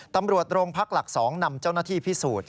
ตำรวจโรงพักหลัก๒นำเจ้าหน้าที่พิสูจน์